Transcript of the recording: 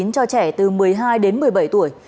cho trẻ từ một mươi hai đến một mươi bảy tuổi